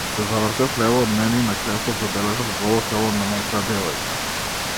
Се завртев лево од мене и на креветот забележав голо тело на некоја девојка.